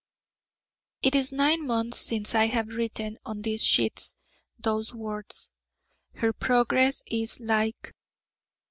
It is nine months since I have written, on these sheets, those words, 'Her progress is like....'